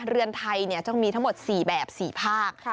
เรือนไทยเนี่ยต้องมีทั้งหมด๔แบบ๔ภาค